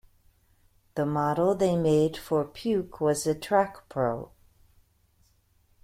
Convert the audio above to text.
The model they made for Puch was the Trak Pro.